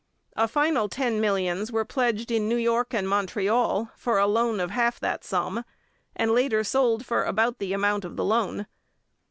A final ten millions were pledged in New York and Montreal for a loan of half that sum, and later sold for about the amount of the loan.